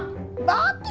batus deh kalau begitu